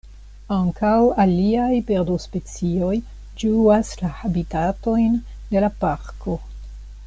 Ankaŭ aliaj birdospecioj ĝuas la habitatojn de la parko.